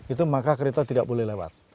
itu maka kereta tidak boleh lewat